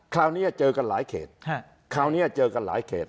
คราวนี้เจอกันหลายเขตคราวนี้เจอกันหลายเขต